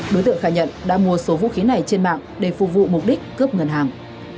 đối tượng khai nhận đã mua số vũ khí này trên mạng để phục vụ mục đích cướp ngân hàng